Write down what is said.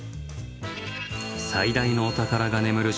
最大のお宝が眠る